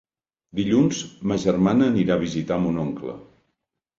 Dilluns ma germana anirà a visitar mon oncle.